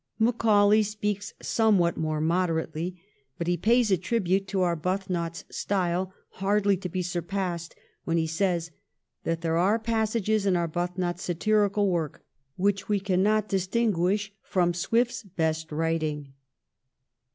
Macaulay speaks somewhat more moderately; but he pays a tribute to Arbuthnot's style hardly to be surpassed when he says that ' there are passages in Arbuthnot's satirical work which we cannot dis tinguish from Swift's best writing.'